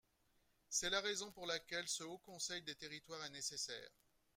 C’est la raison pour laquelle ce Haut conseil des territoires est nécessaire.